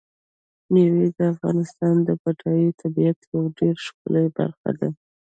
مېوې د افغانستان د بډایه طبیعت یوه ډېره ښکلې برخه ده.